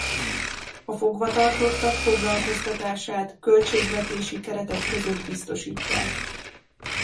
A fogvatartottak foglalkoztatását költségvetési keretek között biztosítják.